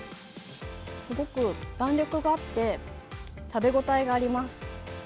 すごく弾力があって、食べ応えがあります。